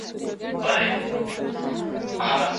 لیکوال د طبیعي منظرو په انځورولو کې هم مهارت درلود.